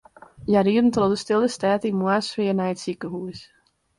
Hja rieden troch de stille stêd yn moarnssfear nei it sikehús.